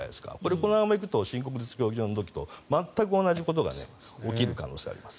このままいくと新国立競技場の時と全く同じことが起きる可能性があります。